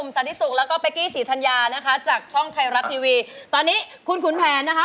สาธิสุกแล้วก็สีทัญญานะคะจากช่องไทยรักทีวีตอนนี้คุณคุณแผนนะคะ